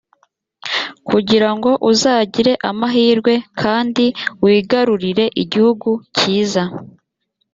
kugira ngo uzagire amahirwe kandi wigarurire igihugu cyiza